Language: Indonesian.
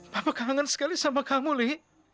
papa kangen sekali sama kamu li